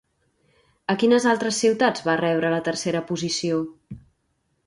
A quines altres ciutats va rebre la tercera posició?